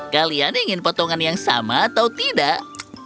kalian ingin potongan yang sama atau tidak